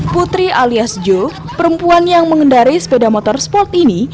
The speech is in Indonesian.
putri alias joe perempuan yang mengendari sepeda motor sport ini